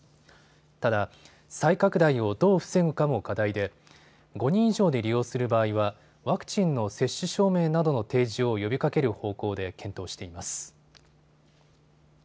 ただ再拡大をどう防ぐかも課題で５人以上で利用する場合はワクチンの接種証明などの提示を呼びかける方向で検討しています。